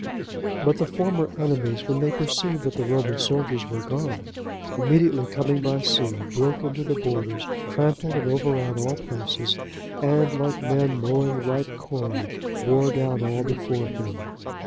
But the former enemies, when they perceived that the Roman soldiers were gone, immediately coming by sea, broke into the borders, trampled and overran all places, and like men mowing ripe corn, bore down all before them.